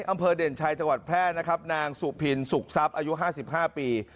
อำเภอเด่นชัยจังหวัดแพร่นะครับนางสุพินสุขทรัพย์อายุ๕๕ปี